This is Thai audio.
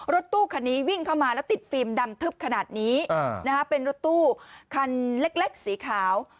รถตู้คันนี้วิ่งเข้ามาแล้วติดฟิล์มดำทึบขนาดนี้เป็นรถตู้คันเล็กสีขาว